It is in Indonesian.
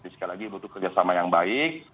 sekali lagi butuh kerjasama yang baik